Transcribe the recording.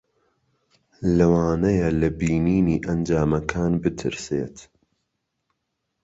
لەوانەیە لە بینینی ئەنجامەکان بترسێت.